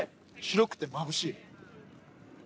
広くてまぶしい。